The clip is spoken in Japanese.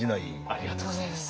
ありがとうございます。